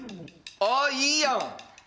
あいいやん！